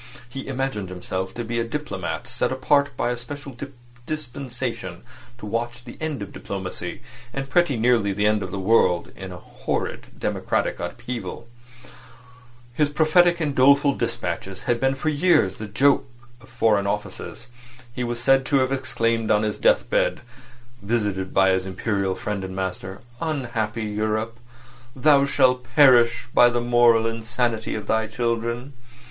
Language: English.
He imagined himself to be a diplomatist set apart by a special dispensation to watch the end of diplomacy, and pretty nearly the end of the world, in a horrid democratic upheaval. His prophetic and doleful despatches had been for years the joke of Foreign Offices. He was said to have exclaimed on his deathbed (visited by his Imperial friend and master): "Unhappy Europe! Thou shalt perish by the moral insanity of thy children!"